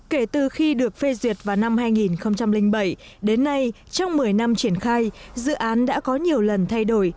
kể từ khi được phê duyệt vào năm hai nghìn bảy đến nay trong một mươi năm triển khai dự án đã có nhiều lần thay đổi